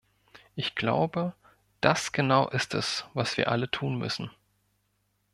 Ich glaube, das genau ist es, was wir alle tun müssen.